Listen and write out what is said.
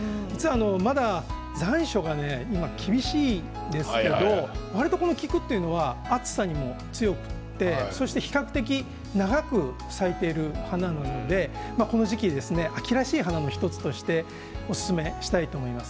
まだ残暑が厳しいんですが菊は暑さにも強くて比較的長く咲いている花なのでこの時期秋らしい花の１つとしておすすめしたいと思います。